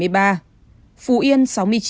phú yên sáu mươi chín